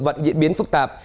vẫn diễn biến phức tạp